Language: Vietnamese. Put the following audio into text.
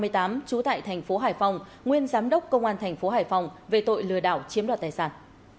trú tại thành phố hải phòng nguyên giám đốc công an thành phố hải phòng về tội lừa đảo chiếm đoạt tài sản